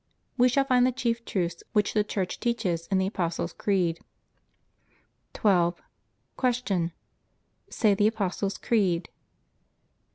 We shall find the chief truths which the Church teaches in the Apostles' Creed. 12. Q. Say the Apostles' Creed.